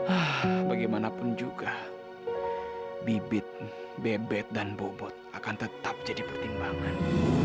ah bagaimanapun juga bibit bebek dan bobot akan tetap jadi pertimbangan